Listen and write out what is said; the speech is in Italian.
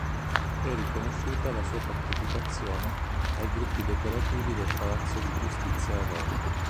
È riconosciuta la sua partecipazione ai gruppi decorativi del Palazzo di giustizia a Roma.